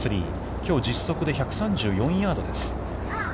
きょう、実測で１３４ヤードです。